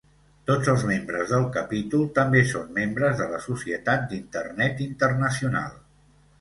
Tots els membres del capítol també són membres de la Societat d'Internet internacional.